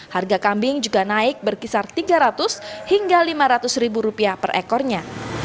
harga kambing juga naik berkisar rp tiga ratus hingga rp lima ratus per ekornya